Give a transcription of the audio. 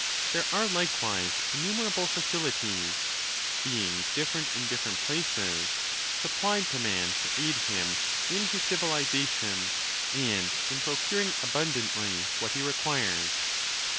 There are likewise innumerable facilities (being different in different places) supplied to man to aid him in his civilization, and in pro curing abundantly what he requires.